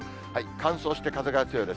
乾燥して、風が強いです。